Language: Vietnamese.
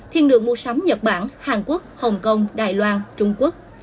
thiên đường mua sắm nhật bản hàn quốc hồng kông đài loan trung quốc